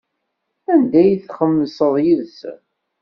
Anda ay txemmseḍ yid-sen?